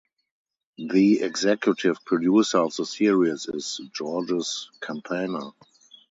The executive producer of the series is Georges Campana.